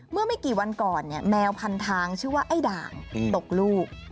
เมื่อไม่กี่วันก่อนเนี่ยแมวพันทางชื่อว่าไอ้ด่างตกลูก